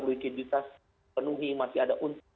likiditas penuhi masih ada unsur